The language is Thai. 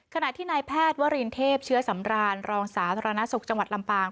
ขณะที่นายแพทย์วรินเทพเชื้อสำรานรองสาธารณสุขจังหวัดลำปาง